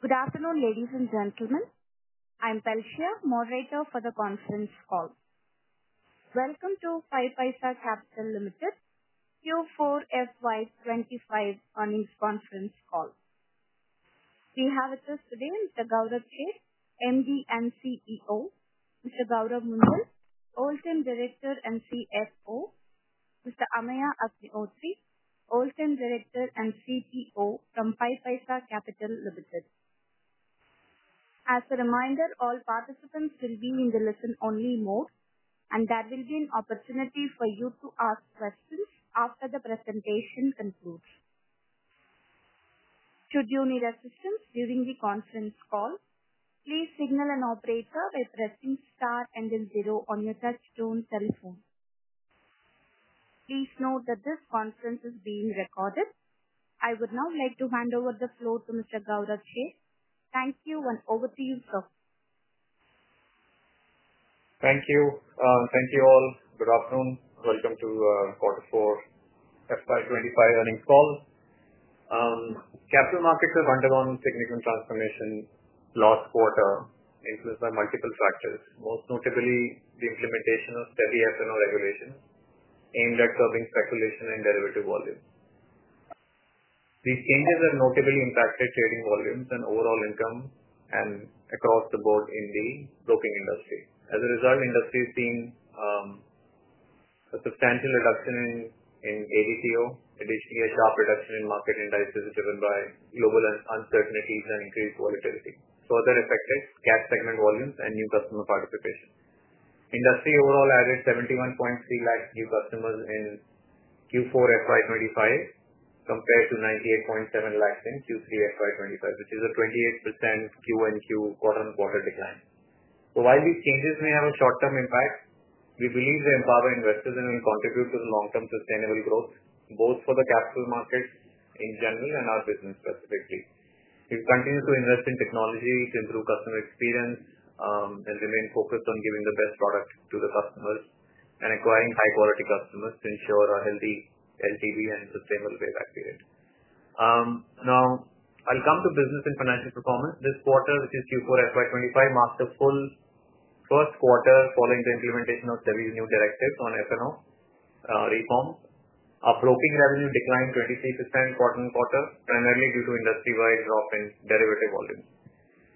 Good afternoon, ladies and gentlemen. I'm Palsheya, moderator for the conference call. Welcome to 5paisa Capital Limited Q4 FY2025 earnings conference call. We have with us today Mr. Gaurav Seth, MD and CEO; Mr. Gourav Munjal, Whole-Time Director and CFO; Mr. Ameya Agnihotri, Whole-Time Director and CTO from 5paisa Capital Limited. As a reminder, all participants will be in the listen-only mode, and there will be an opportunity for you to ask questions after the presentation concludes. Should you need assistance during the conference call, please signal an operator by pressing star and then zero on your touch-tone telephone. Please note that this conference is being recorded. I would now like to hand over the floor to Mr. Gaurav Seth. Thank you, and over to you, sir. Thank you. Thank you all. Good afternoon. Welcome to Q4 FY2025 earnings call. Capital markets have undergone significant transformation last quarter, influenced by multiple factors, most notably the implementation of SEBI F&O regulations aimed at curbing speculation and derivative volume. These changes have notably impacted trading volumes and overall income across the board in the broking industry. As a result, the industry has seen a substantial reduction in ADTO, additionally a sharp reduction in market indices driven by global uncertainties and increased volatility. Further affected cash segment volumes and new customer participation. Industry overall added 7.13 million new customers in Q4 FY2025 compared to 9.87 million in Q3 FY2025, which is a 28% QoQ quarter-on-quarter decline. While these changes may have a short-term impact, we believe they empower investors and will contribute to the long-term sustainable growth, both for the capital markets in general and our business specifically. We continue to invest in technology to improve customer experience and remain focused on giving the best product to the customers and acquiring high-quality customers to ensure a healthy LTV and sustainable payback period. Now, I'll come to business and financial performance. This quarter, which is Q4 FY2025, marked a full first quarter following the implementation of SEBI new directives on F&O reform. Our broking revenue declined 23% quarter-on-quarter, primarily due to industry-wide drop in derivative volumes.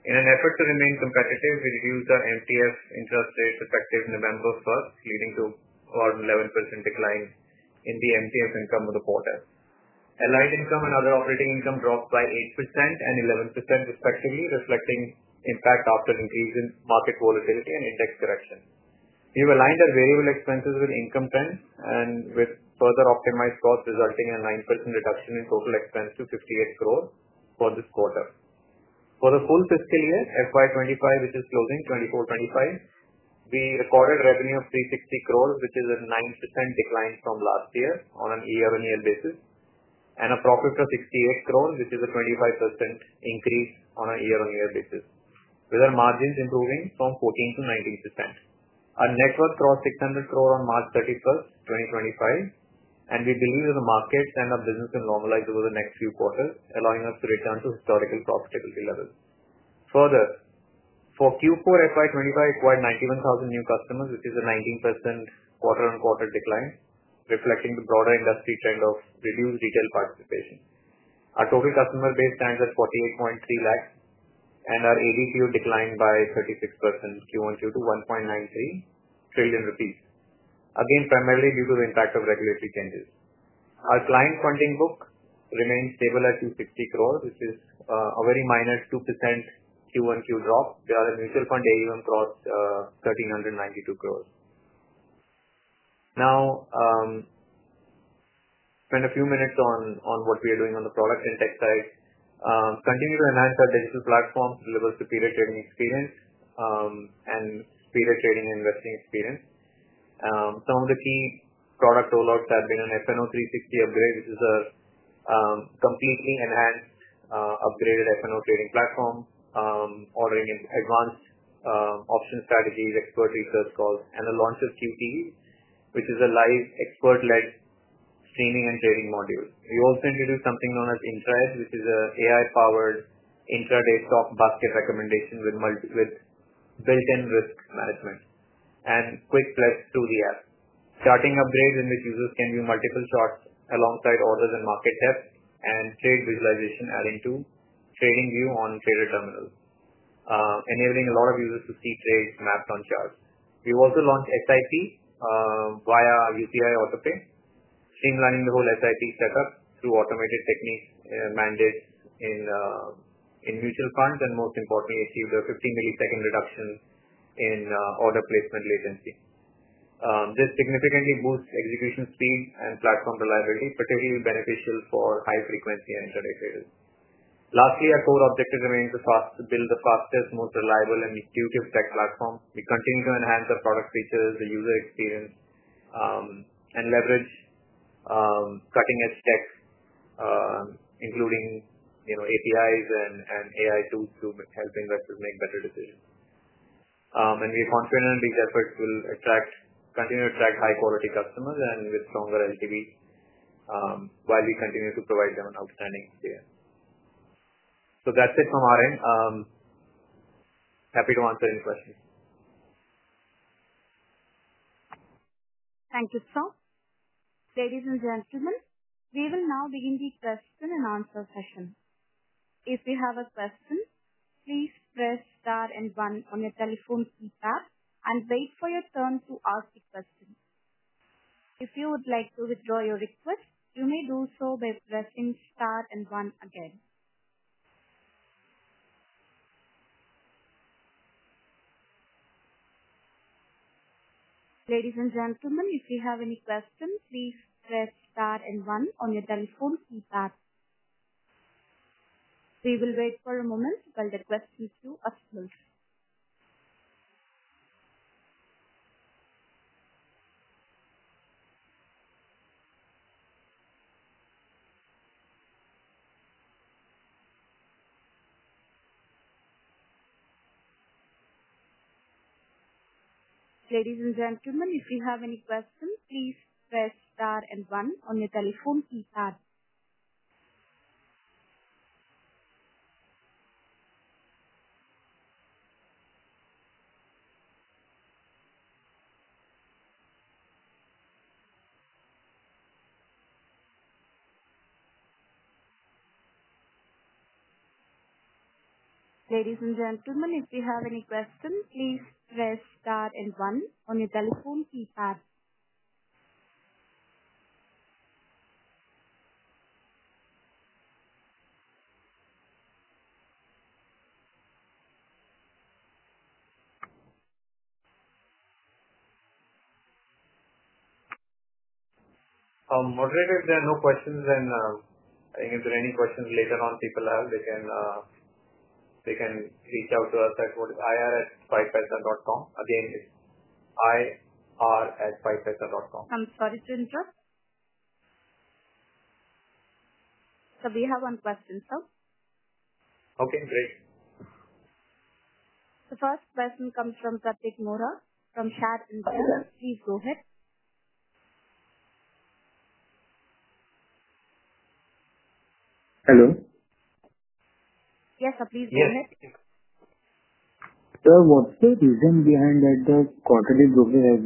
In an effort to remain competitive, we reduced our MTF interest rates effective November 1st, leading to an 11% decline in the MTF income of the quarter. Allied income and other operating income dropped by 8% and 11% respectively, reflecting impact after increase in market volatility and index correction. We've aligned our variable expenses with income trends and with further optimized costs, resulting in a 9% reduction in total expense to 580 million for this quarter. For the full fiscal year FY 2025, which is closing 2024/2025, we recorded revenue of 3.6 billion which is a 9% decline from last year on a year-on-year basis, and a profit of 680 million which is a 25% increase on a year-on-year basis, with our margins improving from 14%-19%. Our net worth crossed 6 billion on March 31, 2025, and we believe that the markets and our business will normalize over the next few quarters, allowing us to return to historical profitability levels. Further, for Q4 FY 2025, we acquired 91,000 new customers, which is a 19% quarter-on-quarter decline, reflecting the broader industry trend of reduced retail participation. Our total customer base stands at 4.83 million, and our ADTO declined by 36% QoQ to 1.93 trillion rupees, again primarily due to the impact of regulatory changes. Our client funding book remained stable at 2.6 billion, which is a very minor 2% QoQ drop, while our mutual fund AUM crossed 13.92 billion. Now, spend a few minutes on what we are doing on the product and tech side. Continue to enhance our digital platform to deliver superior trading experience and superior trading and investing experience. Some of the key product rollouts have been an F&O 360 upgrade, which is a completely enhanced, upgraded F&O trading platform, ordering advanced option strategies, expert research calls, and the launch of QTE, which is a live expert-led streaming and trading module. We also introduced something known as Intrads, which is an AI-powered intraday stock basket recommendation with built-in risk management and quick flips through the app. Starting upgrades in which users can view multiple charts alongside orders and market depth, and trade visualization adding to TradingView on Trader Terminal, enabling a lot of users to see trades mapped on charts. We have also launched SIP via UPI Autopay, streamlining the whole SIP setup through automated techniques mandated in mutual funds, and most importantly, achieved a 15-millisecond reduction in order placement latency. This significantly boosts execution speed and platform reliability, particularly beneficial for high-frequency and intraday traders. Lastly, our core objective remains to build the fastest, most reliable, and intuitive tech platform. We continue to enhance our product features, the user experience, and leverage cutting-edge tech, including APIs and AI tools to help investors make better decisions. We are confident these efforts will continue to attract high-quality customers and with stronger LTV while we continue to provide them an outstanding experience. That is it from our end. Happy to answer any questions. Thank you, sir. Ladies and gentlemen, we will now begin the question-and-answer session. If you have a question, please press star and one on your telephone keypad and wait for your turn to ask the question. If you would like to withdraw your request, you may do so by pressing star and one again. Ladies and gentlemen, if you have any questions, please press star and one on your telephone keypad. We will wait for a moment while the questions do appear. Ladies and gentlemen, if you have any questions, please press star and one on your telephone keypad. Moderator, if there are no questions, then I think if there are any questions later on people have, they can reach out to us at ir@5paisa.com. Again, it's ir@5paisa.com. I'm sorry to interrupt. We have one question, sir. Okay, great. The first question comes from Prathik Mohra, from Share India. Please go ahead. Hello. Yes, sir, please go ahead. Sir, what's the reason behind that the quarterly brokers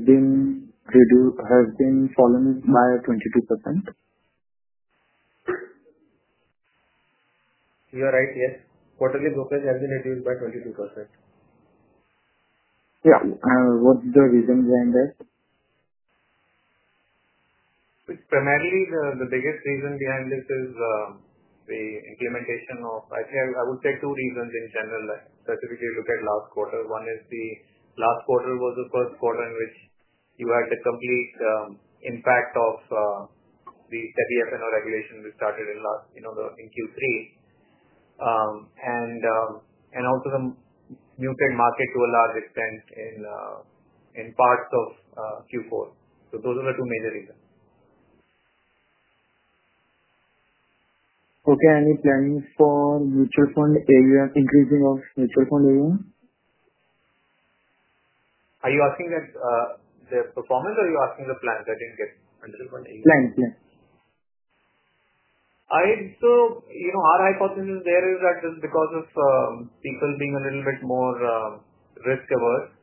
have been fallen by 22%? You're right, yes. Quarterly brokers have been reduced by 22%. Yeah, what's the reason behind that? Primarily, the biggest reason behind this is the implementation of, I think I would say two reasons in general, specifically look at last quarter. One is the last quarter was the first quarter in which you had the complete impact of the steady F&O regulation we started in Q3, and also the muted market to a large extent in parts of Q4. Those are the two major reasons. Okay, any plans for increasing mutual fund AUM? Are you asking the performance, or are you asking the plans? I didn't get it. Plan, plan. Our hypothesis there is that because of people being a little bit more risk-averse,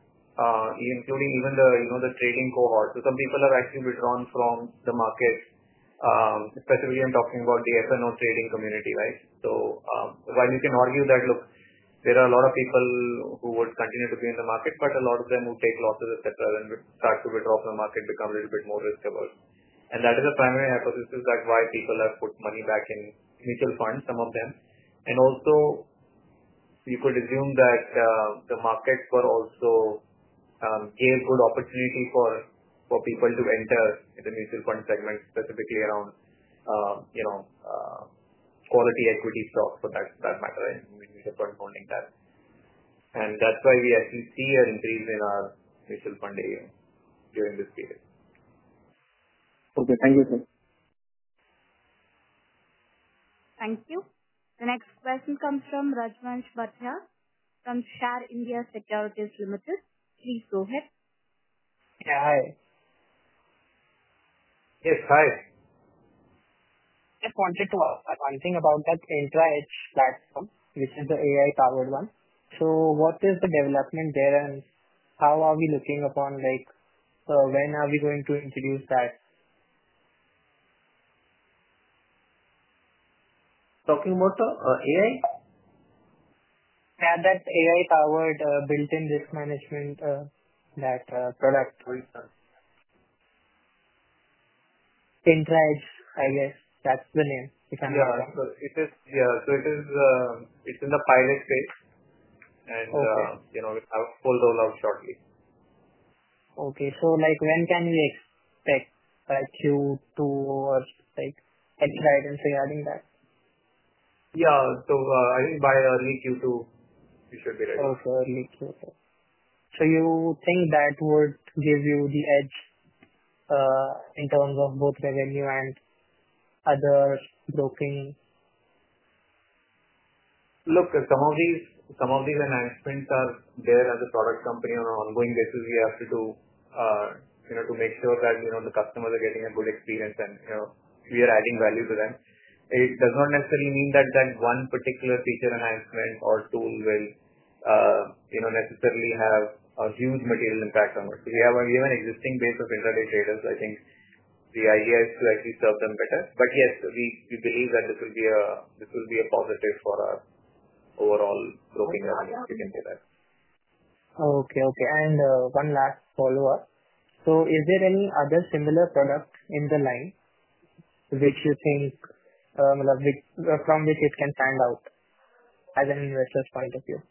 including even the trading cohort, some people have actually withdrawn from the market, especially when talking about the F&O trading community, right? While you can argue that, look, there are a lot of people who would continue to be in the market, a lot of them will take losses, etc., and start to withdraw from the market, become a little bit more risk-averse. That is a primary hypothesis that why people have put money back in mutual funds, some of them. Also, you could assume that the markets also gave good opportunity for people to enter the mutual fund segment, specifically around quality equity stocks for that matter, right? We kept on holding that. That's why we actually see an increase in our mutual fund AUM during this period. Okay, thank you, sir. Thank you. The next question comes from Rajvansh Bhatia from Share India Securities Limited. Please go ahead. Yeah, hi. Yes, hi. Just wanted to ask one thing about that Intrads platform, which is the AI-powered one. What is the development there, and how are we looking upon when are we going to introduce that? Talking about AI? Yeah, that AI-powered built-in risk management product. Intrads, I guess that's the name, if I'm not wrong. Yeah, so it is in the pilot phase, and we have a full rollout shortly. Okay, so when can we expect Q2 or head to head in regarding that? Yeah, I think by early Q2, we should be ready. Okay, early Q2. You think that would give you the edge in terms of both revenue and other broking? Look, some of these enhancements are there as a product company on an ongoing basis. We have to do to make sure that the customers are getting a good experience, and we are adding value to them. It does not necessarily mean that that one particular feature enhancement or tool will necessarily have a huge material impact on us. We have an existing base of intraday traders. I think the idea is to actually serve them better. Yes, we believe that this will be a positive for our overall broking revenue. We can say that. Okay, okay. One last follow-up. Is there any other similar product in the line which you think from which it can stand out as an investor's point of view?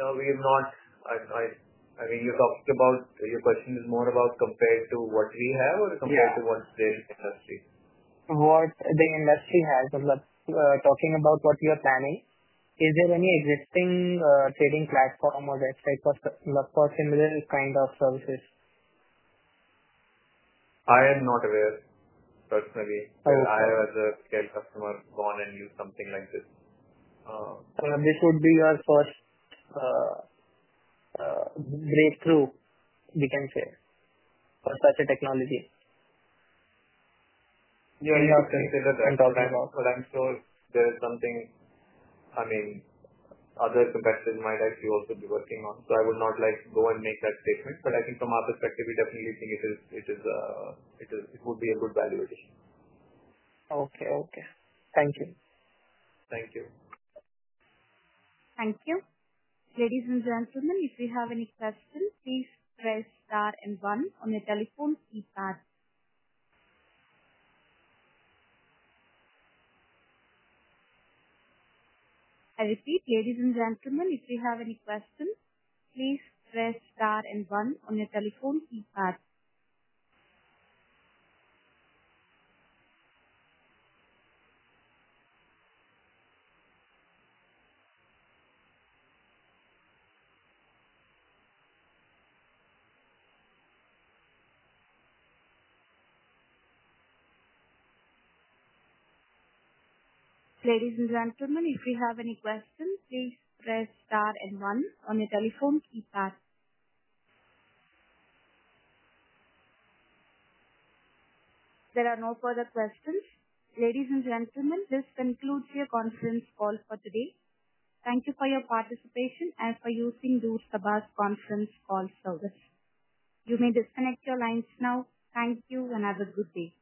No, we have not. I mean, you're talking about your question is more about compared to what we have or compared to what's there in the industry? What the industry has. Talking about what you are planning, is there any existing trading platform or website for similar kind of services? I am not aware personally. I have, as a scale customer, gone and used something like this. This would be your first breakthrough, we can say, for such a technology. Yeah, you should consider that. I am sure there is something, I mean, other competitors might actually also be working on. I would not go and make that statement. I think from our perspective, we definitely think it would be a good value addition. Okay, okay. Thank you. Thank you. Thank you. Ladies and gentlemen, if you have any questions, please press star and one on your telephone keypad. I repeat, ladies and gentlemen, if you have any questions, please press star and one on your telephone keypad. There are no further questions. Ladies and gentlemen, this concludes your conference call for today. Thank you for your participation and for using Dur Sabah's conference call service. You may disconnect your lines now. Thank you and have a good day.